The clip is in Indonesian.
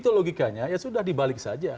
itu logikanya ya sudah dibalik saja